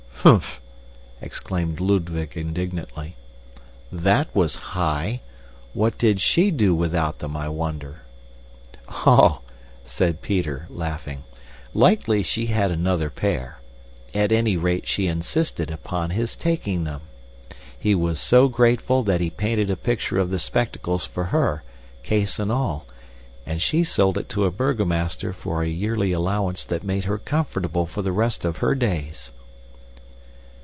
"Humph!" exclaimed Ludwig indignantly. "That was high! What did SHE do without them, I wonder?" "Oh," said Peter, laughing, "likely she had another pair. At any rate she insisted upon his taking them. He was so grateful that he painted a picture of the spectacles for her, case and all, and she sold it to a burgomaster for a yearly allowance that made her comfortable for the rest of her days."